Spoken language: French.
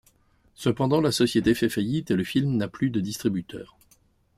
Cependant, la société fait faillite et le film n'a plus de distributeur.